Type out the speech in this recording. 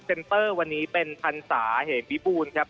เซมเฟอร์วันนี้เป็นพันธุ์ศาเหตุวิบูลครับ